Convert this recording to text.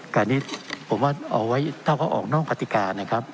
แต่อันนี้ผมว่าเอาไว้ถ้าเขาออกนอกกติกานะครับ